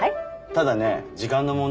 ただね時間の問題でね。